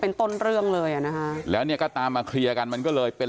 เป็นต้นเรื่องเลยอ่ะนะคะแล้วเนี่ยก็ตามมาเคลียร์กันมันก็เลยเป็น